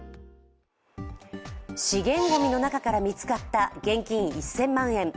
資源ごみの中から見つかった現金１０００万円。